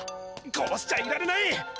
こうしちゃいられない！